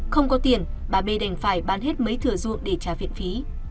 không có tiền bà b đành phải bán hết mấy thừa ruộng để trả viện phí